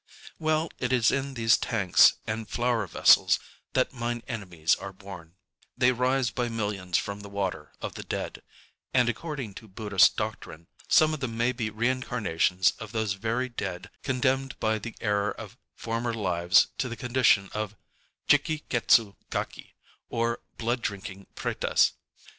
Well, it is in these tanks and flower vessels that mine enemies are born: they rise by millions from the water of the dead; ŌĆöand, according to Buddhist doctrine, some of them may be reincarnations of those very dead, condemned by the error of former lives to the condition of Jiki ketsu gaki, or blood drinking pretas....